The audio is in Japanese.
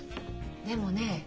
でもね